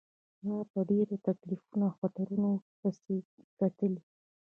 ما په ډیرو تکلیفونو او خطرونو پیسې ګټلي.